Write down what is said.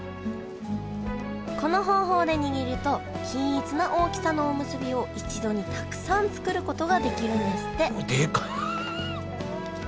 この方法で握ると均一な大きさのおむすびを一度にたくさん作ることができるんですってでか。